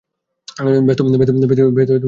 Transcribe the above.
ব্যস্ত হইয়া শচীশ ঘরে গেল।